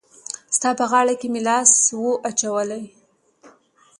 ستا په غاړه کي مي لاس وو اچولی